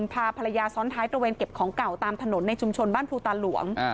พาภรรยาซ้อนท้ายตระเวนเก็บของเก่าตามถนนในชุมชนบ้านภูตาหลวง